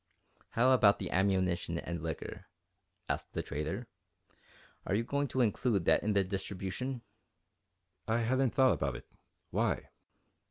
"How about the ammunition and liquor?" asked the trader. "Are you going to include that in the distribution?" "I hadn't thought about it why?"